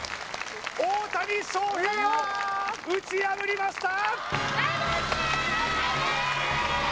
大谷翔平を打ち破りました！